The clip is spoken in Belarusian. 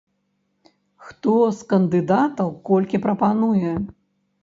Хто з кандыдатаў колькі прапануе?